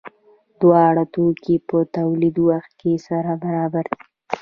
دواړه توکي په تولیدي وخت کې سره برابر دي.